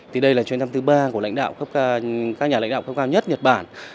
thì đây là chuyến thăm thứ ba của các nhà lãnh đạo cấp cao nhất nhật bản